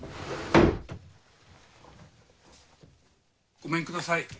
ごめんください。